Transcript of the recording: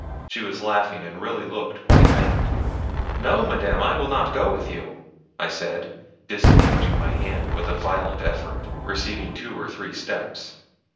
She was laughing, and really looked quite mad. 'No, Madame, I will not go with you,' I said, disengaging my hand with a violent effort, receding two or three steps.